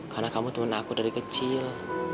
karena kamu teman aku dari kecil